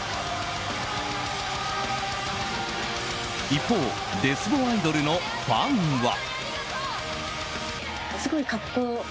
一方デスボアイドルのファンは。